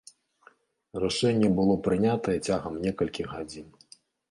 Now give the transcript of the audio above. Рашэнне было прынятае цягам некалькіх гадзін.